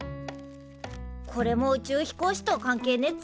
これも宇宙飛行士と関係ねっぞ？